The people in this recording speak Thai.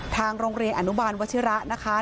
ทางโรงเรียนอนุบาลวัชิระนะคะ